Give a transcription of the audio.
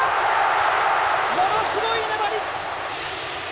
ものすごい粘り。